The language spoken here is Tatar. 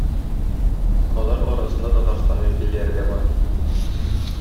Алар арасында Татарстан вәкилләре дә бар.